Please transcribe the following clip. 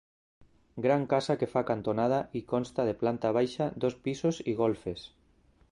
Gran casa que fa cantonada i consta de planta baixa, dos pisos i golfes.